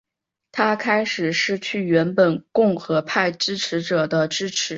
他开始失去原本共和派支持者的支持。